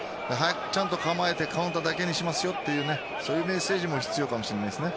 ちゃんと構えてカウンターだけにしますよというメッセージも必要かもしれないですね。